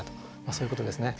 そういうことですね。